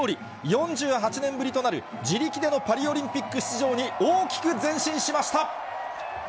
４８年ぶりとなる自力でのパリオリンピック出場に大きく前進しま